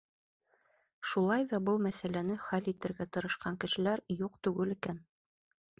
Шулай ҙа был мәсьәләне хәл итергә тырышҡан кешеләр юҡ түгел икән.